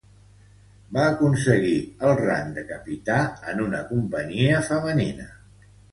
Va aconseguir el rang de capità en una companyia femenina.